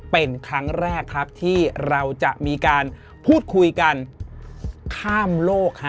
เป็นครั้งแรกครับที่เราจะมีการพูดคุยกันข้ามโลก